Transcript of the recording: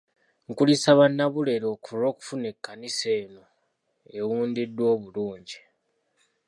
Nkulisa Bannabulera olw'okufuna ekkanisa eno ewundiddwa obulungi.